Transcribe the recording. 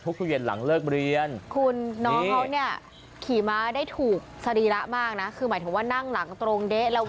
คุณน้องเค้าเนี่ยขี่ม้าได้ถูกสรีระมากนะคือหมายถึงว่านั่งหลังตรงเด๊ะ